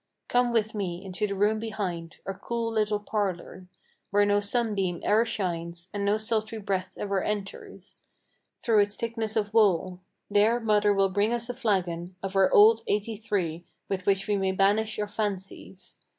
Come with me into the room behind, our cool little parlor, Where no sunbeam e'er shines, and no sultry breath ever enters Through its thickness of wall. There mother will bring us a flagon Of our old eighty three, with which we may banish our fancies.